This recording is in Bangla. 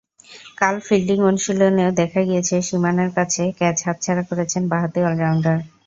কাল ফিল্ডিং অনুশীলনেও দেখা গিয়েছে সীমানার কাছে ক্যাচ হাতছাড়া করেছেন বাঁহাতি অলরাউন্ডার।